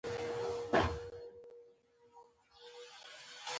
معشوق دې غرور وکړي او مال او سر مې وانه خلي.